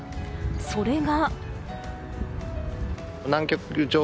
それが。